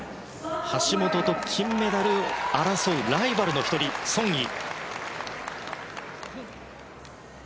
橋本と金メダルを争うライバルの１人、ソン・イ。